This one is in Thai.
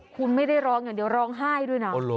คุณไม่ได้ร้องอย่างเดียวร้องไห้ด้วยนะ